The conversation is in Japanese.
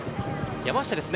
山下ですね。